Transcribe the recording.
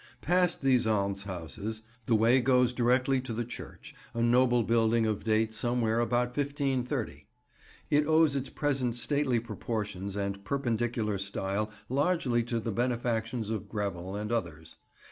Past these almshouses, the way goes directly to the church, a noble building of date somewhere about 1530. It owes its present stately proportions and Perpendicular style largely to the benefactions of Grevel and others.